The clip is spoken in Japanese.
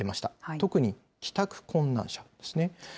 特に帰宅困難者ですね。